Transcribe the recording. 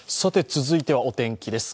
続いてはお天気です。